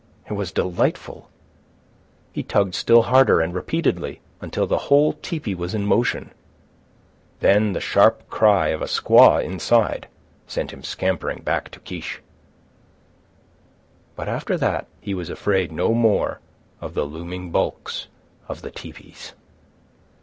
It was delightful. He tugged still harder, and repeatedly, until the whole tepee was in motion. Then the sharp cry of a squaw inside sent him scampering back to Kiche. But after that he was afraid no more of the looming bulks of the tepees.